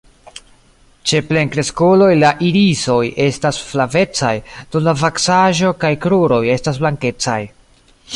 Ĉe plenkreskuloj la irisoj estas flavecaj, dum la vaksaĵo kaj kruroj estas blankecaj.